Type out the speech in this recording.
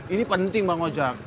ini penting bang ojek